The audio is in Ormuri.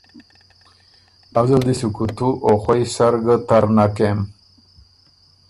ازل دی سو کُوتُو او خؤئ سر ګه تر نک کېم